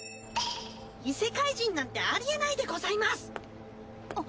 異世界人なんてありえないでございます！